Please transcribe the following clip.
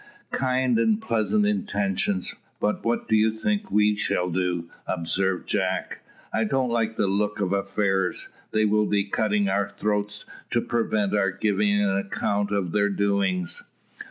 "Kind and pleasant intentions, but what do they think we shall do?" observed Jack. "I don't like the look of affairs. They will be for cutting our throats, to prevent our giving an account of their doings."